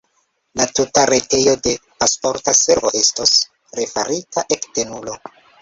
La tuta retejo de Pasporta Servo estos refarita ekde nulo.